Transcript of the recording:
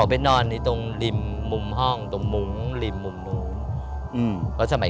โปรดติดตามต่อไป